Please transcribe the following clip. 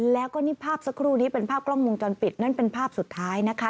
แล้วก็นี่ภาพสักครู่นี้เป็นภาพกล้องวงจรปิดนั่นเป็นภาพสุดท้ายนะคะ